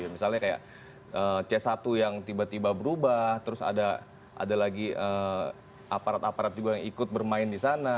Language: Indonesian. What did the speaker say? misalnya kayak c satu yang tiba tiba berubah terus ada lagi aparat aparat juga yang ikut bermain di sana